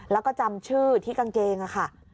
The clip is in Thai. แล้วก็จำชื่อที่กางเกงค่ะ